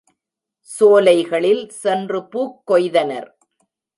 சோலைகளில் சென்று பூக் கொய்தனர்.